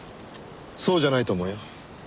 そうじゃないと思うよ。